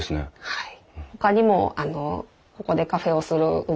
はい。